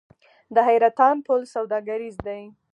د حیرتان پل سوداګریز دی